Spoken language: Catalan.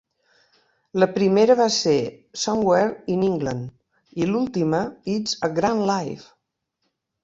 La primera va ser "Somewhere in England" i l'última, "It's a Grand Life".